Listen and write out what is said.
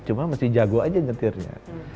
cuma masih jago aja getirnya